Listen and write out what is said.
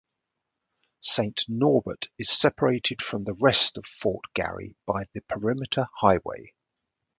Saint Norbert is separated from the rest of Fort Garry by the Perimeter Highway.